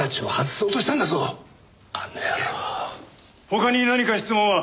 他に何か質問は？